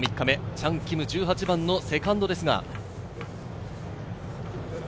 チャン・キム、１８番のセカンドです。